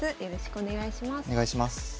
お願いします。